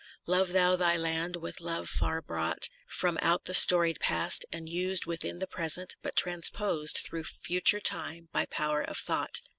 * Love thou thy land with love far brought From out the storied Past, and used Within the Present, but transposed Thro' future time by power of thought.